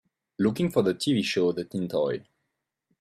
Looking for the TV show the Tin Toy